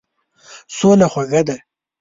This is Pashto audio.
سوله خوږه ده.